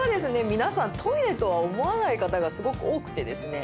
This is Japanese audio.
皆さんトイレとは思わない方がすごく多くてですね